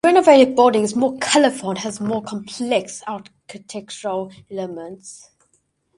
The renovated building is more colourful and has more complex architectural elements.